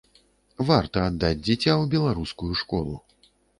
Варта аддаць дзіця ў беларускую школу.